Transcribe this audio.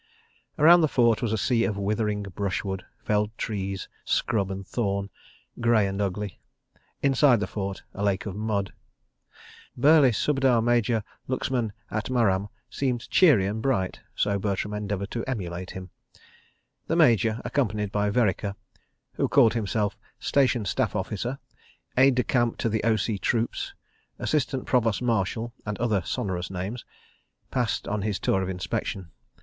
Around the fort was a sea of withering brushwood, felled trees, scrub and thorn, grey and ugly: inside the fort, a lake of mud. Burly Subedar Major Luxman Atmaram seemed cheery and bright, so Bertram endeavoured to emulate him. The Major, accompanied by Vereker (who called himself Station Staff Officer, Aide de camp to the O.C. Troops, Assistant Provost Marshal, and other sonorous names), passed on his tour of inspection.